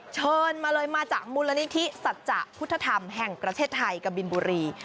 เชิญมาเลยมาจากมูลนิธิสัจจะพุทธธรรมแห่งประเทศไทยกะบินบุรี